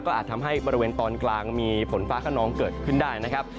อาจทำให้บริเวณตอนกลางมีฝนฟ้าขนองเกิดขึ้นได้นะครับ